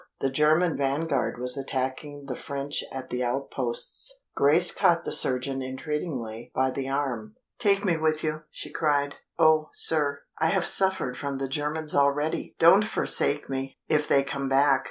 The German vanguard was attacking the French at the outposts. Grace caught the surgeon entreatingly by the arm. "Take me with you," she cried. "Oh, sir, I have suffered from the Germans already! Don't forsake me, if they come back!"